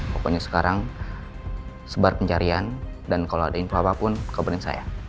pokoknya sekarang sebar pencarian dan kalau ada info apapun kabarin saya